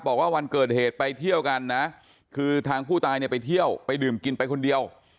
บอกว่าวันเกิดเหตุไปเที่ยวกันนะคือทางผู้ตายเนี่ยไปเที่ยวไปดื่มกินไปคนเดียว